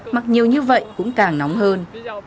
mặc nhiều như vậy cũng càng nóng hơn